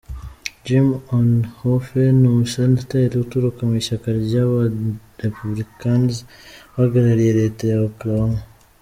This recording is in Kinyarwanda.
Jim Inhofe ni Umusenateri uturuka mu ishyaka rya ba “Republicans” uhagarariye leta ya Oklahoma.